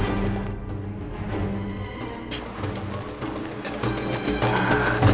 kenapa kamu kecil